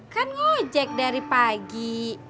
kan ng ojak dari pagi